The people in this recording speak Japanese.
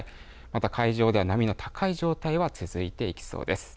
また海上では波の高い状態は続いていきそうです。